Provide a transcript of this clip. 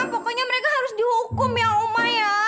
pokoknya mereka harus dihukum ya oma ya